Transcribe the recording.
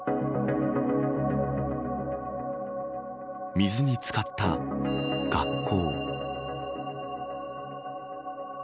水に漬かった学校。